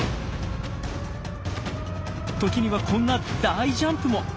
時にはこんな大ジャンプも！